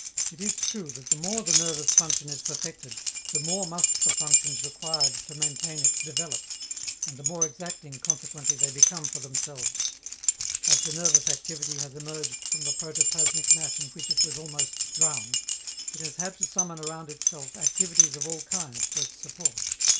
It is true that the more the nervous function is perfected, the more must the functions required to maintain it develop, and the more exacting, consequently, they become for themselves. As the nervous activity has emerged from the protoplasmic mass in which it was almost drowned, it has had to summon around itself activities of all kinds for its support.